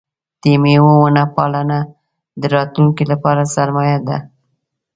د مېوو ونه پالنه د راتلونکي لپاره سرمایه ده.